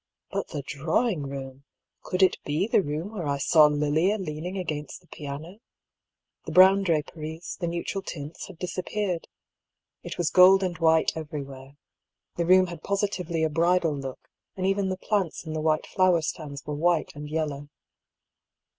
But the drawing room! Could it be the room where I saw Lilia leaning against the piano ? The brown draperies, the neutral tints had disappeared. It was gold and white everywhere : the room had positively a bridal look, and even the plants in the white flower stands were white and yellow.